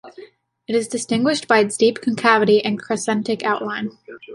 It is distinguished by its deep concavity and crescentic outline.